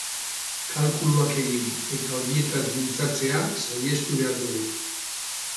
Kalkuluak egin eta horietaz mintzatzea sahiestu behar dugu.